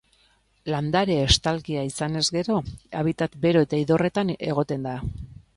Landare-estalkia izanez gero, habitat bero eta idorretan egoten da.